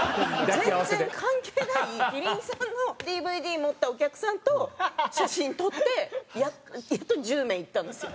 全然関係ない麒麟さんのＤＶＤ持ったお客さんと写真撮ってやっと１０名いったんですよ。